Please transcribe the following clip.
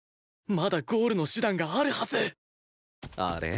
まだゴールの手段があるはずあれ？